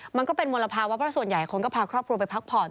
มันก็เป็นมลภาวะเพราะส่วนใหญ่คนก็พาครอบครัวไปพักผ่อน